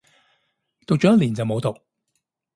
讀咗一年就冇讀